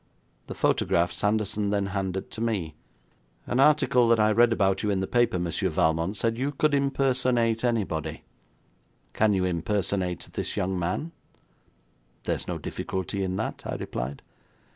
The photograph Sanderson then handed to me. 'An article that I read about you in the paper, Monsieur Valmont, said you could impersonate anybody. Can you impersonate this young man?' 'There's no difficulty in that,' I replied.